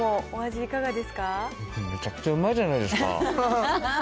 めちゃくちゃうまいじゃないですか。